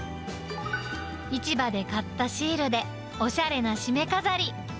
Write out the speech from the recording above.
市場で買ったシールで、おしゃれなしめ飾り。